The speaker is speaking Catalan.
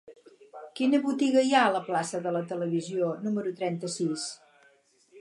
Quina botiga hi ha a la plaça de la Televisió número trenta-sis?